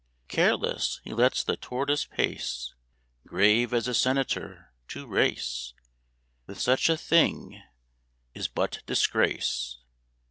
Careless, he lets the Tortoise pace, Grave as a senator. To race With such a thing is but disgrace.